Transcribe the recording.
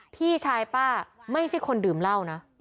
พี่ชายป้าไม่ใช่คนดื่มเหล้านะ